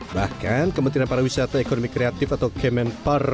bahkan kementerian para wisata ekonomi kreatif atau kemenpar